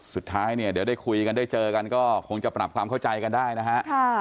สุดท้ายเนี่ยเดี๋ยวได้คุยกันได้เจอกันก็คงจะปรับความเข้าใจกันได้นะฮะ